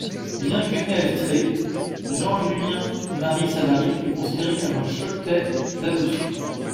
Bien que né à Vitré, Jean-Julien-Marie Savary est considéré comme un Choletais d'adoption.